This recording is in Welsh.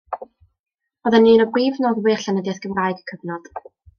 Roedd yn un o brif noddwyr llenyddiaeth Gymraeg y cyfnod.